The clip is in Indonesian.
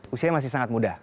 usia masih sangat muda